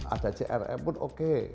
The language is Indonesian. ada crm pun oke